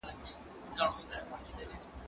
زه به اوږده موده د زده کړو تمرين کړی وم!.